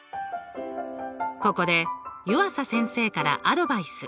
ここで湯浅先生からアドバイス。